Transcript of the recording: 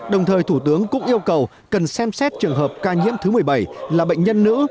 đồng thời thủ tướng cũng yêu cầu cần xem xét trường hợp ca nhiễm thứ một mươi bảy là bệnh nhân nữ